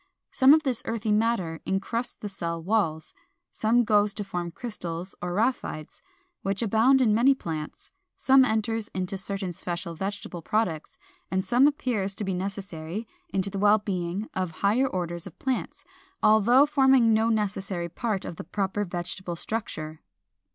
Some of this earthy matter incrusts the cell walls, some goes to form crystals or rhaphides, which abound in many plants (422), some enters into certain special vegetable products, and some appears to be necessary to the well being of the higher orders of plants, although forming no necessary part of the proper vegetable structure.